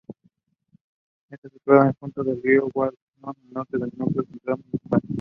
Está situada en junto al río Guadalhorce, al norte del núcleo central municipal.